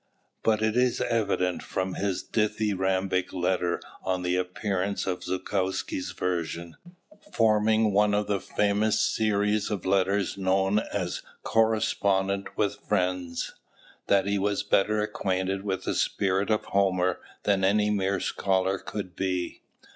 But it is evident from his dithyrambic letter on the appearance of Zhukovsky's version, forming one of the famous series of letters known as "Correspondence with Friends," that he was better acquainted with the spirit of Homer than any mere scholar could be.